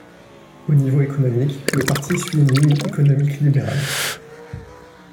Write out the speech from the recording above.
Au niveau économique, le parti suit une ligne économique libérale.